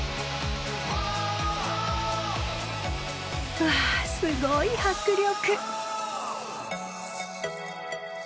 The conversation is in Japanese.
うわすごい迫力！